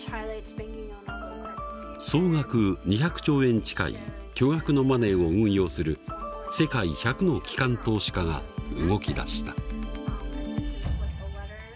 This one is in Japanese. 総額２００兆円近い巨額のマネーを運用する世界１００の機関投資家が動き出した。